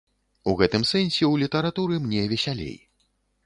У гэтым сэнсе ў літаратуры мне весялей.